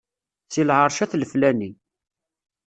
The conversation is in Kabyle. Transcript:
Seg lɛerc at leflani.